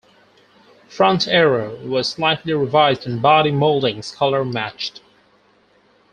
Front aero was slightly revised and body mouldings colour matched.